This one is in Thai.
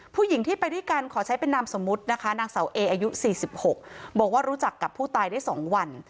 ผู้หญิงที่ไปด้วยกันขอใช้เป็นนามสมมุตินะคะนางเสาเออายุ๔๖บอกว่ารู้จักกับผู้ตายได้๒วัน